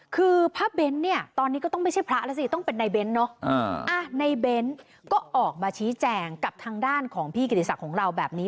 คือพระเบ้นเนี่ยตอนนี้ก็ต้องไม่ใช่พระแล้วสิต้องเป็นในเบ้นเนอะในเบ้นก็ออกมาชี้แจงกับทางด้านของพี่กิติศักดิ์ของเราแบบนี้